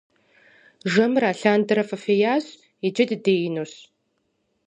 Жэмыр алъандэрэ фыфеящ, иджы дыдеинущ.